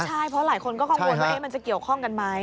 ใช่เพราะหลายคนก็กังวลว่ามันจะเกี่ยวข้องกันไหม